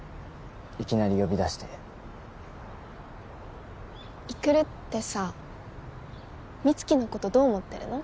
いきなり呼び出して育ってさ美月のことどう思ってるの？